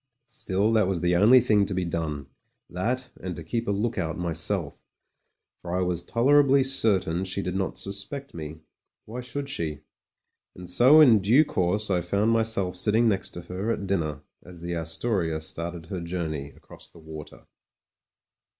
Still, that was the only thing to be done — ^that, and to keep a look out myself, for I was tolerably certain she did not suspect me. Why should she ? And so in due course I found myself sitting next her at dinner as the Astoria started her journey across the water.